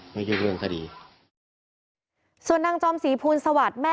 พ่อบอกว่า